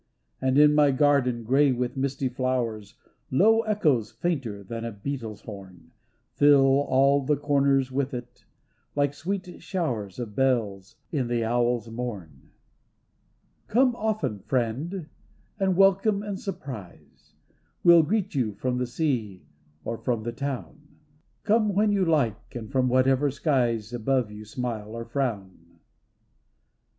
And in my garden, grey with misty flowers, Low echoes fainter than a beetle's horn Fill ail the comers with it, like sweet showers Of bells, in the owl's morn. 278 TO ONE WHO COMES NOW AND THEN Come often, friend, with welcome and surprise We'll greet you from the sea or from the town; Come when you like and from whatever skies Above you smile or frown.